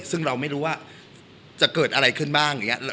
ซึ่งเราไม่รู้ว่าจะเกิดอะไรขึ้นบ้างอย่างนี้